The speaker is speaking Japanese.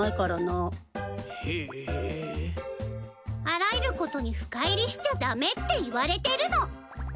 あらゆることに深入りしちゃ駄目って言われてるの。